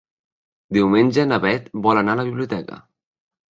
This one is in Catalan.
Diumenge na Bet vol anar a la biblioteca.